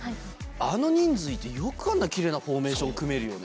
あの人数いて、よくあんなきれいなフォーメーション組めるよね。